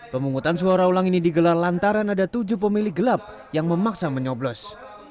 pemungutan suara ulang ini digelar lantaran ada tujuh pemilih gelap yang memaksa menyoblos